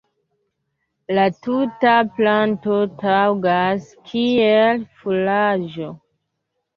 La tuta planto taŭgas kiel furaĝo.